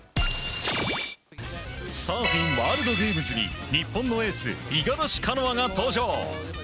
サーフィンワールドゲームズに日本のエース五十嵐カノアが登場。